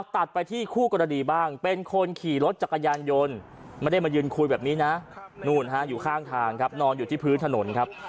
ตัดไปที่คู่กรณีบ้างเป็นคนขี่รถจักรยานยนต์ไม่ได้มายืนคุยแบบนี้นะนู่นฮะอยู่ข้างทางครับนอนอยู่ที่พื้นถนนครับ